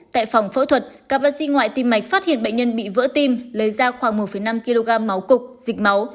tại phòng phẫu thuật các bác sĩ ngoại tim mạch phát hiện bệnh nhân bị vỡ tim lấy ra khoảng một năm kg máu cục dịch máu